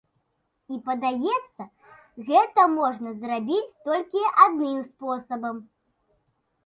І, падаецца, гэта можна зрабіць толькі адным спосабам.